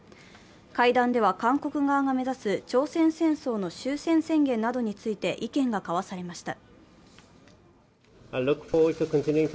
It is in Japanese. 会談では韓国側が目指す朝鮮戦争の終戦宣言などについて意見が交わされました。